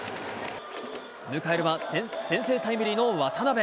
迎えるは先制タイムリーの渡邉。